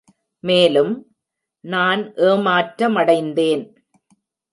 மேலும், நான் ஏமாற்றமடைந்தேன்.